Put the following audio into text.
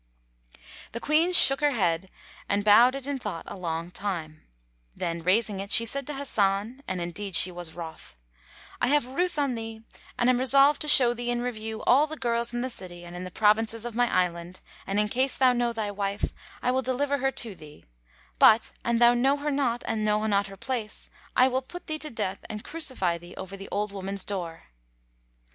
"[FN#143] The Queen shook her head and bowed it in thought a long time; then, raising it, she said to Hasan (and indeed she was wroth), "I have ruth on thee and am resolved to show thee in review all the girls in the city and in the provinces of my island; and in case thou know thy wife, I will deliver her to thee; but, an thou know her not and know not her place, I will put thee to death and crucify thee over the old woman's door."